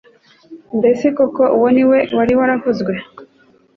Mbese koko uwo ni we wari waravuzwe